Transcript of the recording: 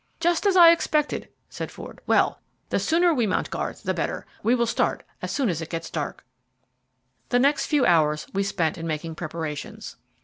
"Just as I expected," said Ford; "well, the sooner we mount guard the better. We will start as soon as it is dark." The next few hours we spent in making preparations.